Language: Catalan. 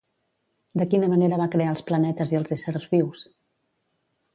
De quina manera va crear els planetes i els éssers vius?